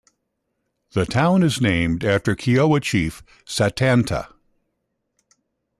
The town is named after Kiowa Chief Satanta.